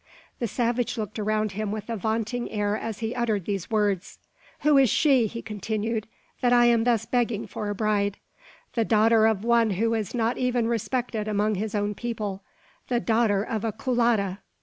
The savage looked around him with a vaunting air as he uttered these words. "Who is she," he continued, "that I am thus begging for a bride? The daughter of one who is not even respected among his own people: the daughter of a culatta!"